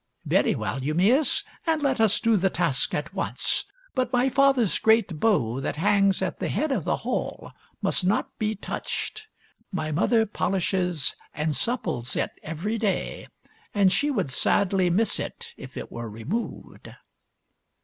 " Very well, Eumaeus ; and let us do the task at once. But my father's great bow that hangs at the head of the hall must not be touched. My mother polishes and supples it every day, and she would sadly miss it if it were removed."